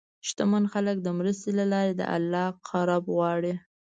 شتمن خلک د مرستې له لارې د الله قرب غواړي.